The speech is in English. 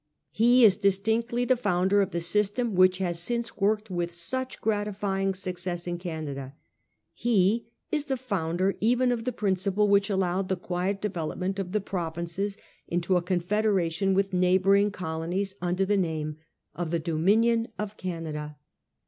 He is distinctly the founder of the system which has since worked with such gratifying success in Canada ; he is the founder even of the principle which allowed the quiet development of the provinces into a confederation with neighbouring colonies under the name of the Dominion of Canada.